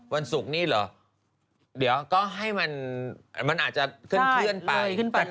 วันศุกร์นี้เหรอเดี๋ยวก็ให้มันอาจจะเคลื่อนไป